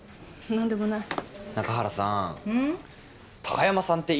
何でもないです。